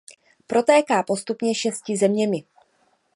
Protéká postupně šesti zeměmi.